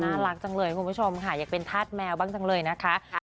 น่ารักจังเลยคุณผู้ชมค่ะอยากเป็นธาตุแมวบ้างจังเลยนะคะ